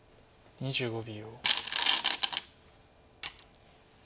２５秒。